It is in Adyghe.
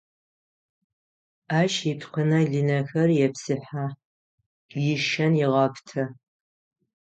Ащ ипкъынэ-лынэхэр епсыхьэ, ишэн егъэпытэ.